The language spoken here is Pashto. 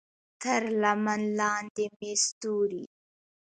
تر لمن لاندې مې ستوري